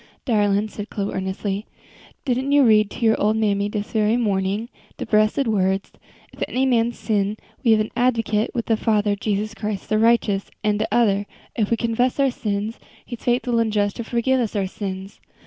"Darlin'," said Chloe, earnestly, "didn't you read to your ole mammy dis very morning dese bressed words: 'If any man sin, we have an advocate with the Father, Jesus Christ the righteous,' an' de other: 'If we confess our sins, He is faithful and just to forgive us our sins.'